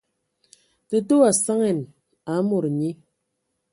Tətə wa saŋan aaa mod nyi.